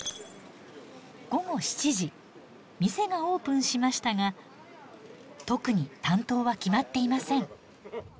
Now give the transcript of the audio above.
店がオープンしましたが特に担当は決まっていません。